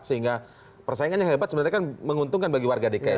sehingga persaingan yang hebat sebenarnya kan menguntungkan bagi warga dki